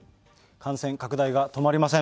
感染拡大が止まりません。